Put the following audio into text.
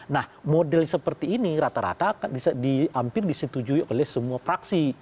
nah model seperti ini rata rata hampir disetujui oleh semua praksi